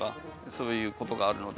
そういう事があるので。